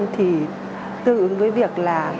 thì tự ứng với việc là